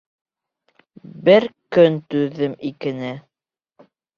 Бер көн түҙҙем, икене...